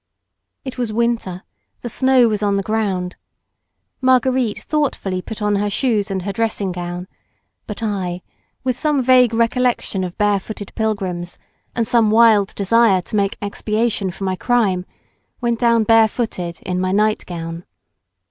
It was winter; the snow was on the ground. Marguerite thoughtfully put on her shoes and her dressing gown, but I, with some vague recollection of bare footed pilgrims, and some wild desire to make expiation for my crime, went down bare footed, in my night gown.